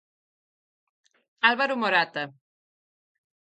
Álvaro Morata.